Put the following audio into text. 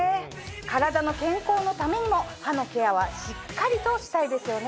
体の健康のためにも歯のケアはしっかりとしたいですよね。